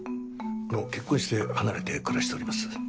もう結婚して離れて暮らしております。